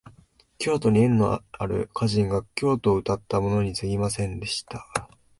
京都に縁のある歌人が京都をうたったものにすぎませんでした